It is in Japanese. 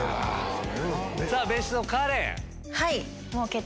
別室のカレン。